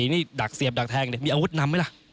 นี่ดักเสียบดักแทงมีอาวุธนำไหมล่ะ